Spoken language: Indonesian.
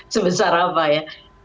sebesar apa ya